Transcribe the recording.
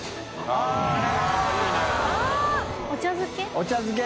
お茶漬け？